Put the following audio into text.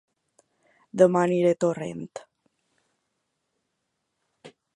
Dema aniré a Torrent